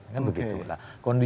kondisi darurat itu banyak macamnya